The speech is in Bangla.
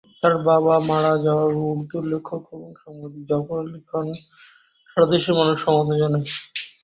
তাঁর বাবা মারা যাওয়ায় উর্দু লেখক ও সাংবাদিক জাফর আলী খান সহ সারাদেশের মানুষ সমবেদনা জানায়।